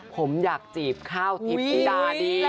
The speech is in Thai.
ผมอยากจีบข้าวทิพย์ธิดาดี